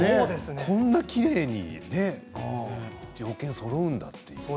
こんなきれいにね条件そろうんだという。